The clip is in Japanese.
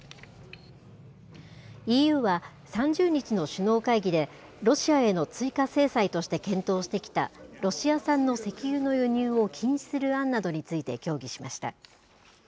ＥＵは３０日の首脳会議で、ロシアへの追加制裁として検討してきたロシア産の石油の輸入を禁止する案などについて協議しました。